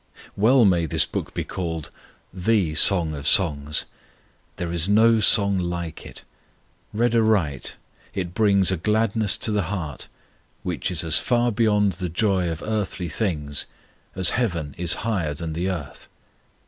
_" WELL may this book be called the Song of Songs! There is no song like it. Read aright, it brings a gladness to the heart which is as far beyond the joy of earthly things as heaven is higher than the earth.